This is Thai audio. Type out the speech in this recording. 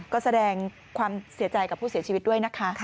ก็แสดงความเสียใจกับผู้เสียชีวิตด้วยนะคะ